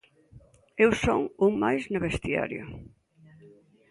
Eu son un máis no vestiario.